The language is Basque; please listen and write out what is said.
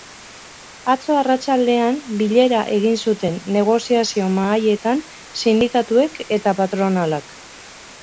Atzo arratsaldean bilera egin zuten negoziazio mahaietan sindikatuek eta patronalak.